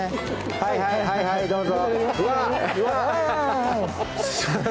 はいはい、どうぞ。